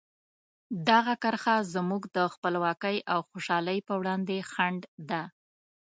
دغه کرښه زموږ د خپلواکۍ او خوشحالۍ په وړاندې خنډ ده.